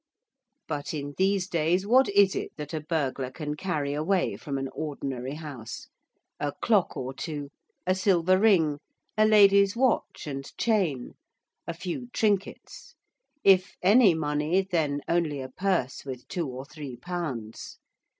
But in these days what is it that a burglar can carry away from an ordinary house? A clock or two: a silver ring: a lady's watch and chain: a few trinkets: if any money, then only a purse with two or three pounds.